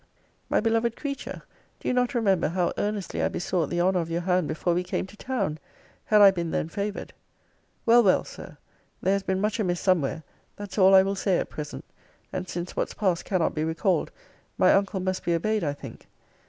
My beloved creature, do you not remember, how earnestly I besought the honour of your hand before we came to town? Had I been then favoured Well, well, Sir; there has been much amiss somewhere; that's all I will say at present. And since what's past cannot be recalled, my uncle must be obeyed, I think.